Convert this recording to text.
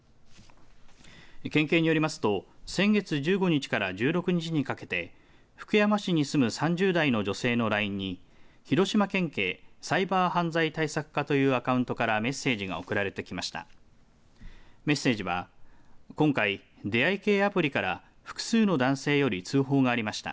県警によりますと先月１５日から１６日にかけて福山市に住む３０代の女性のＬＩＮＥに広島県警サイバー犯罪対策課というアカウントからメッセージが送られてきました。